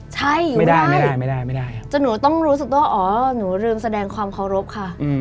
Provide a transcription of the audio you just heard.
ใช่ไม่ได้จนหนูต้องรู้สักตัวอ๋อหนูลืมแสดงความขอรบค่ะ